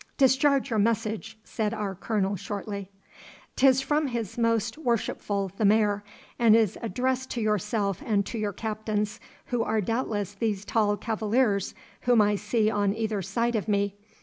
'Discharge your message,' said our Colonel shortly. ''Tis from his most worshipful the Mayor, and is addressed to yourself and to your captains, who are doubtless these tall cavaliers whom I see on either side of me.